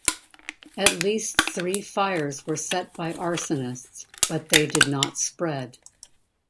At least three fires were set by arsonists, but they did not spread.